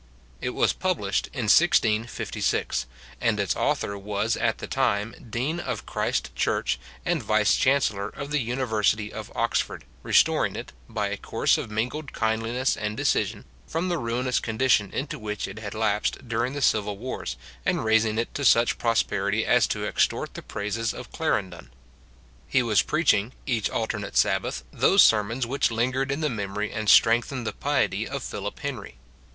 It was published in 1G56, and its author was at the time Dean of Christ Church and Vice Chancellor of the University of Oxford, restoring it, by a course of mingled kindliness and decision, from the ruinous condition into which it had lapsed during the civil ■wars, and raising it to such prosperity as to extort the praises of Clar endon. He was preaching, each alternate Sabbath, those sermons ■which lingered in the memory and strengthened the piety of Philip Henry.